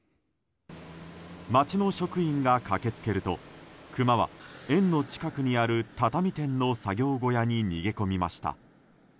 町の職員が駆け付けるとクマは園の近くにある畳店の作業小屋に逃げ込みました。